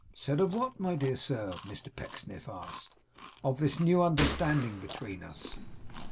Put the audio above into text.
'Said of what, my dear sir?' Mr Pecksniff asked. 'Of this new understanding between us.